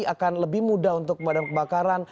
akan lebih mudah untuk pemadam kebakaran